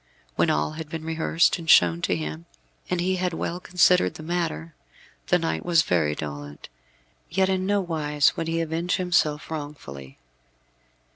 When all had been rehearsed and shown to him, and he had well considered the matter, the knight was very dolent; yet in no wise would he avenge himself wrongfully.